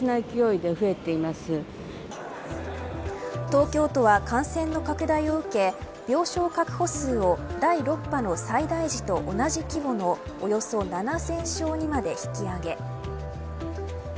東京都は、感染の拡大を受け病床確保数を第６波の最大時と同じ規模のおよそ７０００床にまで引き上げ。